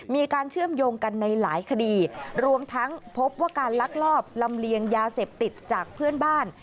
มีการเชื่อมโยงกันในหลายคดีรวมทั้งพบว่าการลักลอบลำเลียงยาเสพติดจากเพื่อนบ้าน